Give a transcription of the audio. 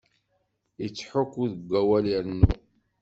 Ittḥukku deg awal irennu.